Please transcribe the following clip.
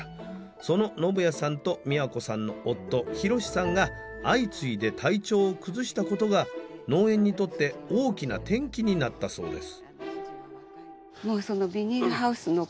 その信彌さんと美和子さんの夫博四さんが相次いで体調を崩したことが農園にとって大きな転機になったそうです。